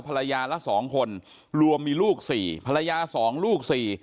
ละสองคนรวมมีลูกสี่ภรรยาสองลูกสี่